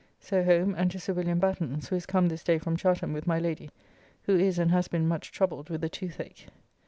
So home, and to Sir William Batten's, who is come this day from Chatham with my Lady, who is and has been much troubled with the toothache.